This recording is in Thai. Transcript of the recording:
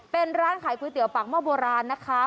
เป็นร้านขายก๋วยเตี๋ยวปากหม้อโบราณนะคะ